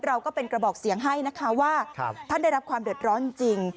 เราก็เป็นกระบอกเสียงให้นะคะว่าท่านได้รับความเดือดร้อนจริง